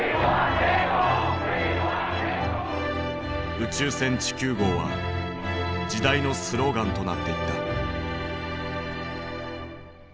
「宇宙船地球号」は時代のスローガンとなっていった。